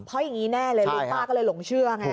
เพราะอย่างนี้แน่เลยลุงป้าก็เลยหลงเชื่อไง